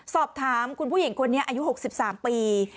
สอบถามคุณผู้หญิงคนนี้อายุ๖๓ปี